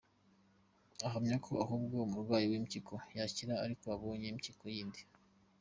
Ahamya ko ahubwo umurwayi w’impyiko yakira ari uko abonye impyiko yindi.